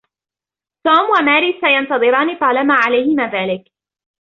توم و ماري سَينتضران طالَما عَلَيهما ذَلِكَ